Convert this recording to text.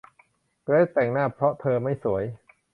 เกรซแต่งหน้าเพราะเธอไม่สวย